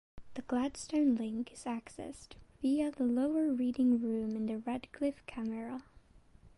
The Gladstone Link is accessed via the lower reading room in the Radcliffe Camera.